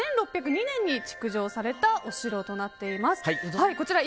１６０２年に築城されたお城となっています。